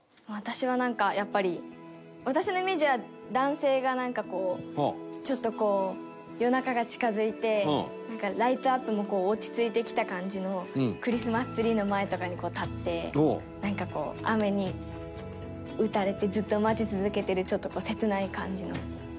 芦田：私は、なんか、やっぱり私のイメージは男性が、なんか、こうちょっと、こう夜中が近付いてライトアップも落ち着いてきた感じのクリスマスツリーの前とかに立ってなんか、こう、雨に打たれてずっと待ち続けてるちょっと切ない感じの。